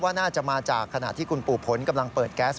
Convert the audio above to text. น่าจะมาจากขณะที่คุณปู่ผลกำลังเปิดแก๊ส